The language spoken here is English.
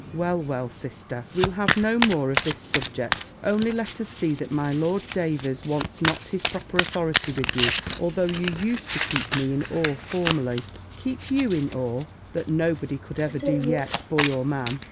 "Well, well, sister, we'll have no more of this subject; only let us see that my Lord Davers wants not his proper authority with you, although you used to keep me in awe formerly." "Keep you in awe! That nobody could ever do yet, boy or man.